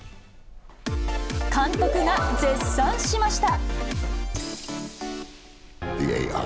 監督が絶賛しました。